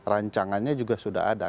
rancangannya juga sudah ada